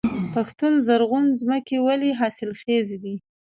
پښتون زرغون ځمکې ولې حاصلخیزه دي؟